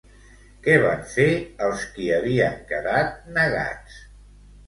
Què van fer els qui havien quedat negats?